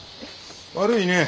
悪いねえ。